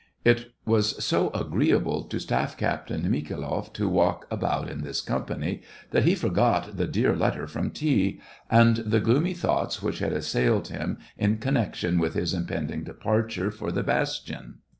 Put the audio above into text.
It was so agreeable to Staff Captain Mikhailoff to walk about in this company that he forgot the dear letter from T , and the gloomy thoughts which had assailed him in connection with his impending departure for the bastion.